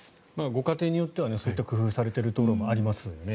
ご家庭によってはそういう工夫をされているところもありますよね。